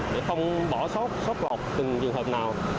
để không bỏ sót sót lọt từng trường hợp nào